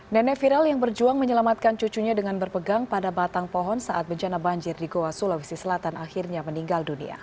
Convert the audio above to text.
nenek viral yang berjuang menyelamatkan cucunya dengan berpegang pada batang pohon saat bencana banjir di goa sulawesi selatan akhirnya meninggal dunia